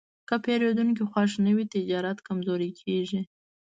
که پیرودونکی خوښ نه وي، تجارت کمزوری کېږي.